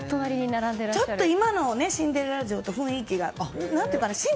ちょっと今のシンデレラ城と雰囲気が。